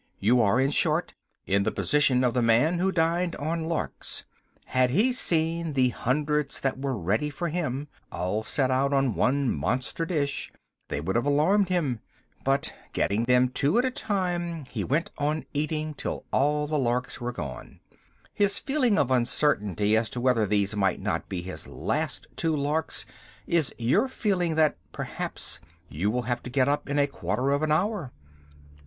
You are, in short, in the position of the man who dined on larks. Had he seen the hundreds that were ready for him, all set out on one monster dish, they would have turned his stomach; but getting them two at a time, he went on eating till all the larks were exhausted. His feeling of uncertainty as to whether these might not be his last two larks is your feeling that, perhaps, you will have to get up in a quarter of an hour.